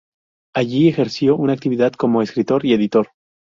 Allí ejerció una gran actividad como escritor y editor.